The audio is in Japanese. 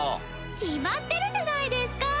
決まってるじゃないですか。